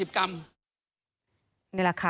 นี่แหละค่ะ